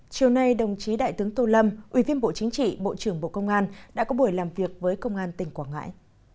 chiều nay đồng chí đại tướng tô lâm ủy viên bộ chính trị bộ trưởng bộ công an đã có buổi làm việc với công an tỉnh quảng ngãi